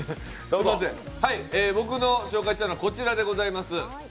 僕の紹介したいのはこちらでございます。